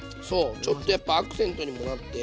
ちょっとやっぱアクセントにもなって。